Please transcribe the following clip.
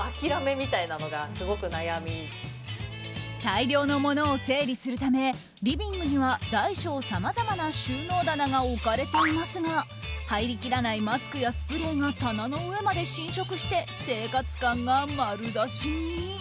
大量のものを整理するためリビングには大小さまざまな収納棚が置かれていますが入りきらないマスクやスプレーが棚の上まで浸食して生活感が丸出しに。